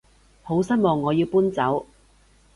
好失望我要搬走